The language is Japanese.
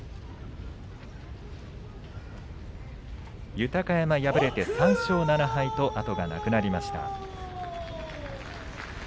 豊山、敗れて３勝７敗と後がなくなりました。